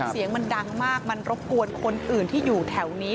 เสียงมันดังมากมันรบกวนคนอื่นที่อยู่แถวนี้